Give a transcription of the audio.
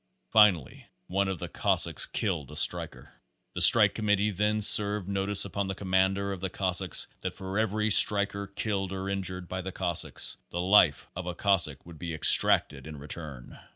Finally one of the cossacks killed a striker. The strike committee then served notice upon the commander of the cossacks that for every striker killed or injured by the cossacks the life of a cossack would be exacted in return.